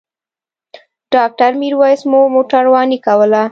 ډاکټر میرویس مو موټرواني کوله.